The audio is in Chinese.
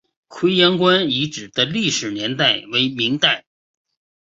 葵阳关遗址的历史年代为明代。